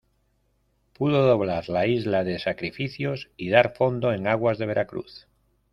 pudo doblar la Isla de Sacrificios y dar fondo en aguas de Veracruz.